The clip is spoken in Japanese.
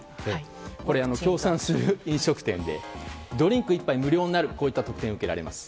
これ、協賛する飲食店でドリンク１杯無料になるといった特典が受けられます。